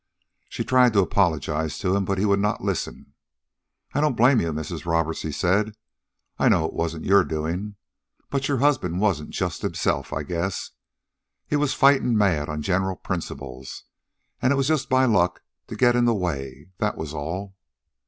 She tried to apologize to him, but he would not listen. "I don't blame you, Mrs. Roberts," he said. "I know it wasn't your doing. But your husband wasn't just himself, I guess. He was fightin' mad on general principles, and it was just my luck to get in the way, that was all."